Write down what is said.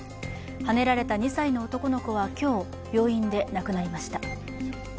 はねられた２歳の男の子は今日、病院で亡くなりました。